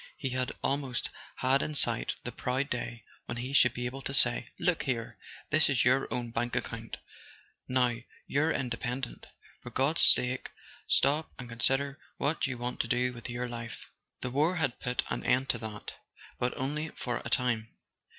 He had almost had in sight the proud day when he should be able to say: "Look here: this is your own bank account. Now you're inde¬ pendent—for God's sake stop and consider what you want to do with your life." The war had put an end to that—but only for a time.